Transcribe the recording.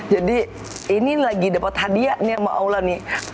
jadi ini lagi dapat hadiah nih sama allah nih